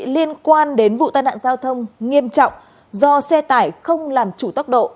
liên quan đến vụ tai nạn giao thông nghiêm trọng do xe tải không làm chủ tốc độ